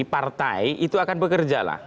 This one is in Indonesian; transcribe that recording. partai itu akan bekerja lah